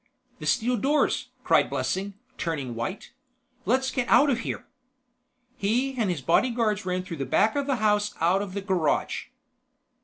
"The steel doors!" cried Blessing, turning white. "Let's get out of here." He and his bodyguards ran through the back of the house out of the garage.